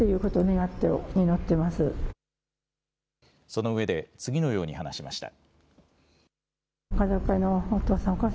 そのうえで次のように話しました。